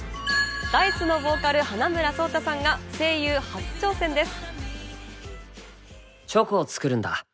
Ｄａ−ｉＣＥのボーカル、花村想太さんが声優初挑戦です。